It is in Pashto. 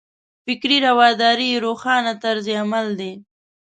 فکري رواداري یې روښانه طرز عمل دی.